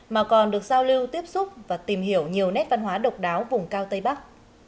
mà còn được giao lưu tiếp xúc và tìm hiểu nhiều nét văn hóa độc đáo vùng cao tây bắc